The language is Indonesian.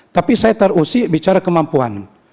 tapi saya terusik bicara kemampuan